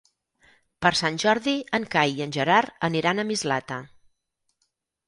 Per Sant Jordi en Cai i en Gerard aniran a Mislata.